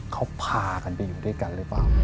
เขาพากันไปอยู่ด้วยกันหรือเปล่า